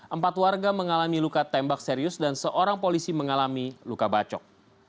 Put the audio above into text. empat warga mengalami luka tembak serius dan seorang polisi mengalami luka bacok